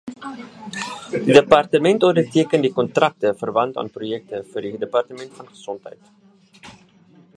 Die departement onderteken die kontrakte verwant aan projekte vir die departement van gesondheid.